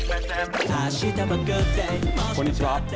こんにちは。